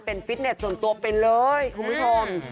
เป็นฟิตเน็ตส่วนตัวไปเลยคุณผู้ชม